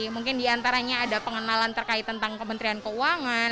mungkin diantaranya ada pengenalan terkait tentang kementerian keuangan